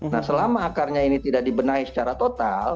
nah selama akarnya ini tidak dibenahi secara total